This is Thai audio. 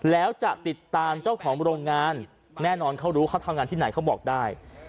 แล้วจะติดตามเจ้าของโรงงานแน่นอนเขารู้เขาทำงานที่ไหนเขาบอกได้